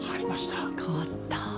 変わった。